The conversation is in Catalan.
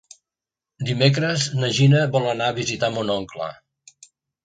Dimecres na Gina vol anar a visitar mon oncle.